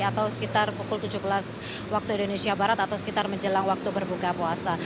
atau sekitar pukul tujuh belas waktu indonesia barat atau sekitar menjelang waktu berbuka puasa